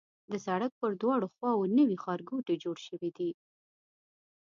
د سړک پر دواړو خواوو نوي ښارګوټي جوړ شوي دي.